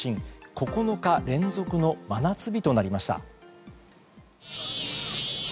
９日連続の真夏日となりました。